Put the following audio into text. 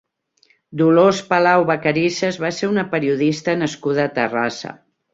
Dolors Palau Vacarisas va ser una periodista nascuda a Terrassa.